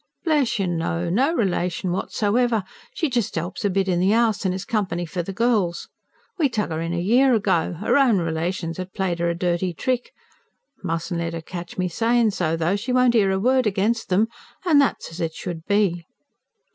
"Bless you, no no relation whatsoever. She just 'elps a bit in the 'ouse, an' is company for the girls. We tuck 'er in a year ago 'er own relations 'ad played 'er a dirty trick. Mustn't let 'er catch me sayin' so, though; she won't 'ear a word against 'em, and that's as it should be."